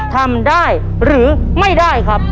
ทำได้หรือไม่ได้ครับ